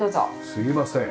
すいません。